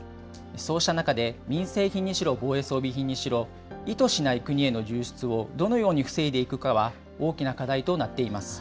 そうした中で、民生品にしろ、防衛装備品にしろ、意図しない国への流出をどのように防いでいくかは大きな課題となっています。